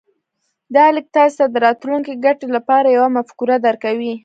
دا ليک تاسې ته د راتلونکې ګټې لپاره يوه مفکوره درکوي.